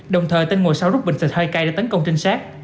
đồng thời tinh ngồi sau rút bình xịt hơi cay để tấn công trinh sát